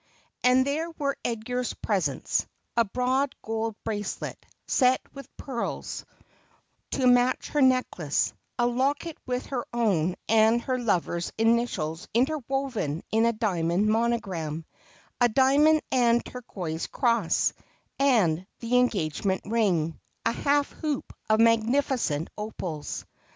And there were Edgar's presents : a broad gold bracelet, set with pearls, to match her necklace ; a locket with her own and her lover's initials interwoven in a diamond monogram ; a diamond and turquoise cross ; and the engagement ring — a half hoop of magnificent opals.